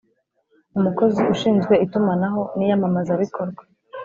umukozi ushinzwe itumanaho n’iyamamazabikorwa